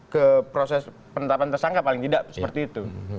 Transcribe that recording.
ke proses penetapan tersangka paling tidak seperti itu